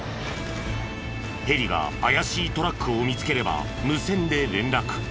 ヘリが怪しいトラックを見つければ無線で連絡。